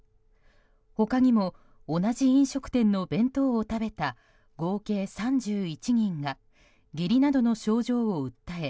他にも同じ飲食店の弁当を食べた合計３１人が下痢などの症状を訴え